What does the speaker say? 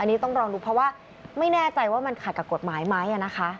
อันนี้ต้องรอดูเพราะว่าไม่แน่ใจว่ามันขัดกับกฎหมายไหมนะคะ